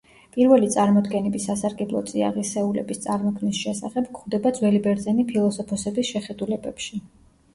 პირველი წარმოდგენები სასარგებლო წიაღისეულების წარმოქმნის შესახებ გვხვდება ძველი ბერძენი ფილოსოფოსების შეხედულებებში.